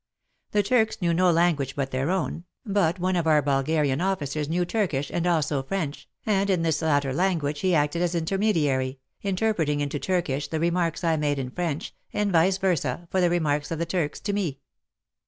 The Turks knew no language but their own, but one of 202 WAR AND WOMEN our Bulgarian officers knew Turkish and also French, and in this latter language he acted as intermediary, interpreting into Turkish the remarks I made in French, and vice versa for the remarks of the Turks to me.